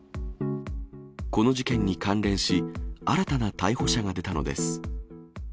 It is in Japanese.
この事件に関連し、新たな逮捕者が出たのです。